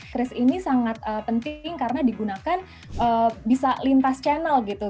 kris ini sangat penting karena digunakan bisa lintas channel gitu